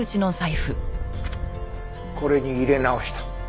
これに入れ直した。